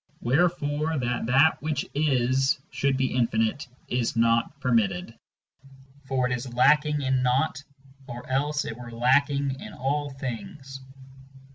Wherefore that that which is should be infinite is not permitted ;* 5 For it is lacking in naught, or else it were lacking in all things.